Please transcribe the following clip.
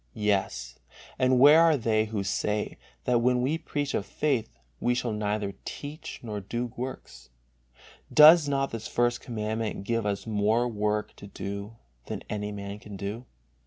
Yes, and where are they who say that when we preach of faith, we shall neither teach nor do works? Does not this First Commandment give us more work to do than any man can do?